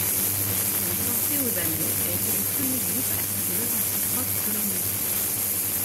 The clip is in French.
Transporte Urbano a été le premier groupe à faire de l'authentique rock dominicain.